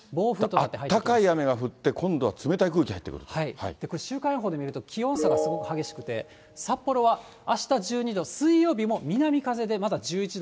あったかい雨が降って、週間予報で見ると、気温差がすごく激しくて、札幌はあした１２度、水曜日も南風でまだ１１度。